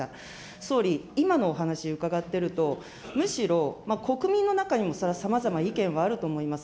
総理、今のお話伺ってると、むしろ、国民の中にもそれはさまざま意見があると思います。